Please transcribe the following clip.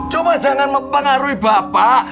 coba jangan mempengaruhi bapak